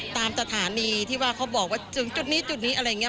ตามสถานีที่ว่าเขาบอกว่าจุดนี้อะไรอย่างนี้